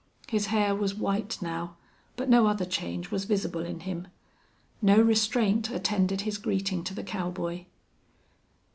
His hair was white now, but no other change was visible in him. No restraint attended his greeting to the cowboy.